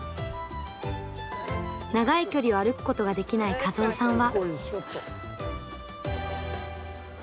長い距離を歩くことができない一夫さんは。